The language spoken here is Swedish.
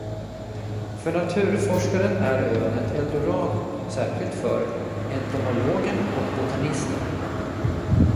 För naturforskaren är ön ett eldorado, särskilt för entomologen och botanisten.